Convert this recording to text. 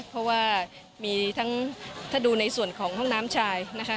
เพราะว่าถ้าดูในส่วนของห้องน้ำชาย